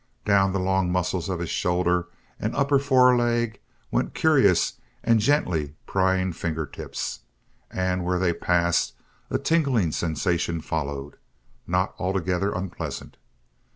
Down the long muscles of his shoulder and upper foreleg went curious and gently prying finger tips, and where they passed a tingling sensation followed, not altogether unpleasant.